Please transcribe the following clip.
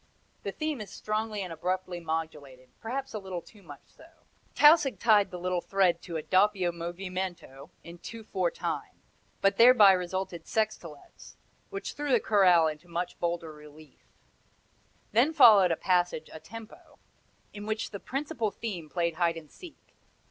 The theme is strongly and abruptly modulated, perhaps a little too much so. Tausig tied the little thread to a doppio movimento in two four time, but thereby resulted sextolets, which threw the chorale into still bolder relief. Then followed a passage a tempo, in which the principal theme played hide and seek.